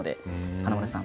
華丸さん